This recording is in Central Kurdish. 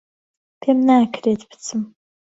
پێم ناکرێت بچم